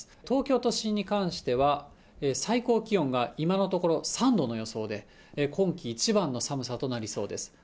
東京都心に関しては、最高気温が今のところ３度の予想で、今季一番の寒さとなりそうです。